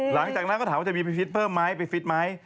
หลังจากนั้นก็ถามว่าจะมีไปฟิตเพิ่มไหมไปฟิตไหม